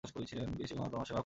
পিসিমা, আমি তোমার সেবা করিব।